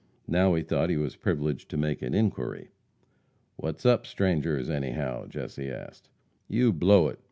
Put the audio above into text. Now he thought he was privileged to make an inquiry. "What's up, strangers, anyhow?" Jesse asked. "You blow it!